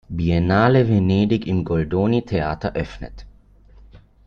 Biennale Venedig im Goldoni Theater öffnet.